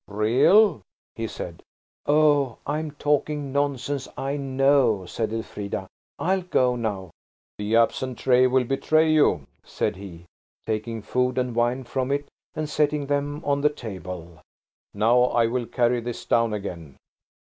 "Real?" he said. "Oh, I'm talking nonsense, I know," said Elfrida. "I'll go now." "The absent tray will betray you," said he, taking food and wine from it and setting them on the table. "Now I will carry this down again.